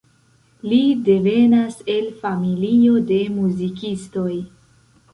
Li devenas el familio de muzikistoj.